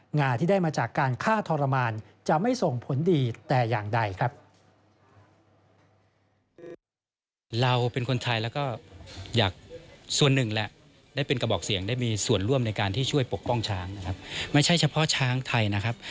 งาที่ได้มาจากการฆ่าทรมานจะไม่ส่งผลดีแต่อย่างใดครับ